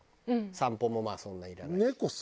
散歩もまあそんないらないし。